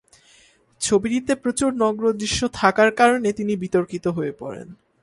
ছবিটিতে প্রচুর নগ্ন দৃশ্য থাকার কারণে তিনি বিতর্কিত হয়ে পড়েন।